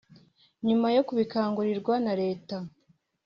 nyuma yo kubikangurirwa na leta